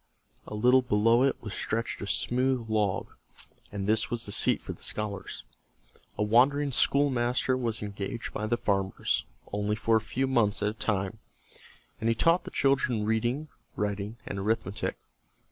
A little below it was stretched a smooth log, and this was the seat for the scholars. A wandering schoolmaster was engaged by the farmers, only for a few months at a time, and he taught the children reading, writing, and arithmetic.